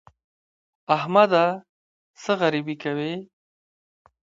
احمده! څه غريبي کوې؟